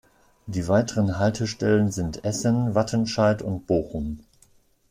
Die weiteren Haltestellen sind Essen, Wattenscheid und Bochum.